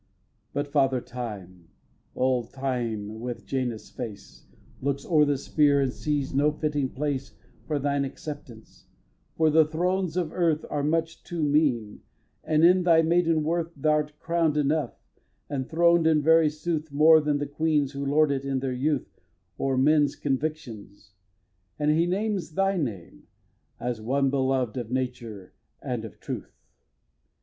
xviii. But Father Time, old Time with Janus face Looks o'er the sphere, and sees no fitting place For thine acceptance; for the thrones of earth Are much too mean, and in thy maiden worth Thou'rt crown'd enough, and throned in very sooth More than the queens who lord it in their youth O'er men's convictions; and He names thy name As one belov'd of Nature and of Truth.